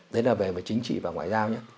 đấy là về chính trị và ngoại giao